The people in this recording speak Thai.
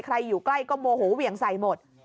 อยู่ใกล้ก็โมโหเหวี่ยงใส่หมด